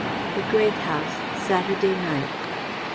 The Great House, Saturday night.